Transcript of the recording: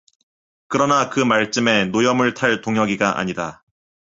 그러나 그 말쯤에 노염을 탈 동혁이가 아니다.